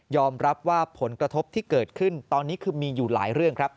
รับว่าผลกระทบที่เกิดขึ้นตอนนี้คือมีอยู่หลายเรื่องครับ